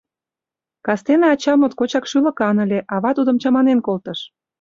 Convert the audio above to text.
Кастене ача моткочак шӱлыкан ыле, ава тудым чаманен колтыш.